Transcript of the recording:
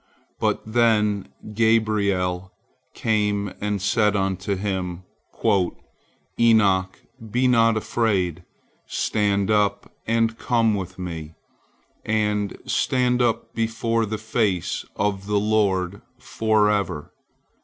But then Gabriel came and said unto him, "Enoch, be not afraid, stand up and come with me, and stand up before the face of the Lord forever."